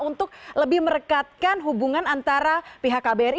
untuk lebih merekatkan hubungan antara pihak kbri